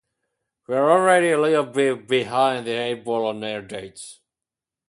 We were already a little bit behind the eight ball on airdates.